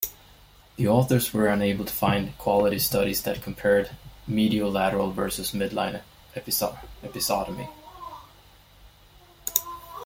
The authors were unable to find quality studies that compared mediolateral versus midline episiotomy.